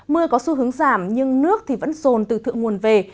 mưa có xu hướng giảm nhưng nước vẫn rồn từ thượng nguồn về